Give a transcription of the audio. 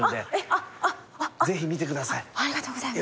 ありがとうございます。